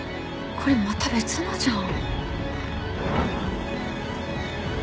これまた別のじゃん。